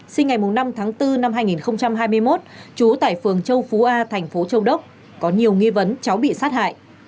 vào năm tháng bốn năm hai nghìn hai mươi một chú tại phường châu phú a thành phố châu đốc có nhiều nghi vấn cháu bị sát hại